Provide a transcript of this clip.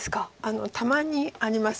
たまにあります。